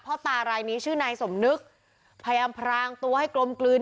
ตารายนี้ชื่อนายสมนึกพยายามพรางตัวให้กลมกลืน